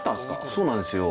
そうなんですよ。